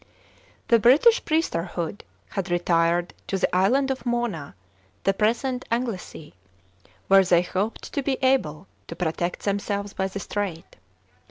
The Mritish priesthood had retired to the island of Mona, the present Anglesey, where they hoped to be able to protect themselves by the strait.